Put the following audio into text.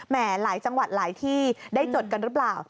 หลายจังหวัดหลายที่ได้จดกันหรือเปล่า